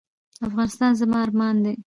افغانستان زما ارمان دی؟